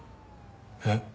えっ？